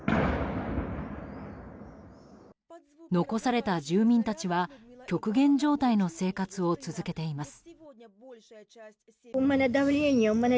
残された住民たちは極限状態の生活を続けています。